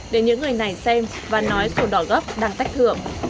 để những người này xem và nói sổ đỏ gấp đang tách thưởng